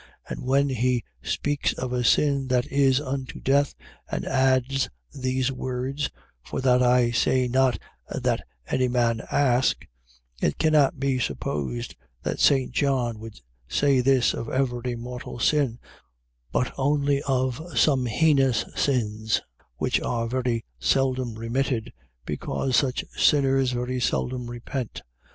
And when he speaks of a sin that is unto death, and adds these words, for that I say not that any man ask, it cannot be supposed that St. John would say this of every mortal sin, but only of some heinous sins, which are very seldom remitted, because such sinners very seldom repent.